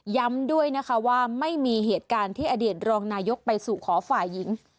ย้ำด้วยนะคะว่าไม่มีเหตุการณ์ที่อดีตรองนายกไปสู่ขอฝ่ายหญิง